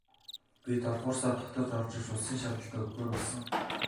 Би долоодугаар сард хот орж улсын шалгалтаа өгөхөөр болсон.